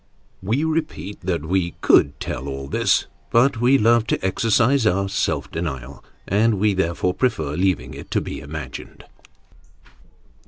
We repeat that we could tell all this, but we love to exercise our self denial, and we therefore prefer leaving it to be imagined.